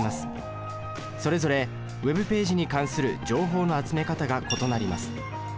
それぞれＷｅｂページに関する情報の集め方が異なります。